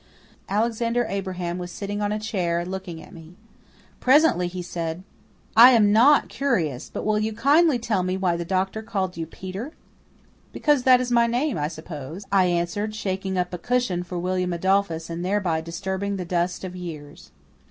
Alexander Abraham was sitting on a chair looking at me. Presently he said, "I am NOT curious but will you kindly tell me why the doctor called you Peter?" "Because that is my name, I suppose," I answered, shaking up a cushion for William Adolphus and thereby disturbing the dust of years.